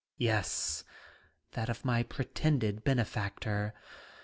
Yes, that of my pretended benefactor.